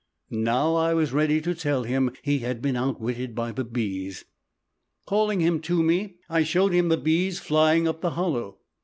Now I was ready to tell him he had been outwitted by the bees. Calling him to me, I showed him the bees flying up the hollow.